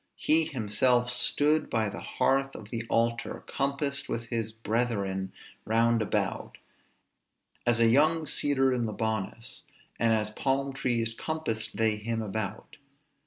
He himself stood by the hearth of the altar, compassed with his brethren round about; as a young cedar in Libanus, and as palm trees compassed they him about.